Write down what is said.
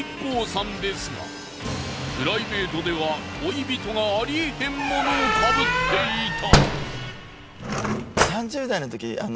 プライベートでは恋人がありえへんモノをかぶっていた！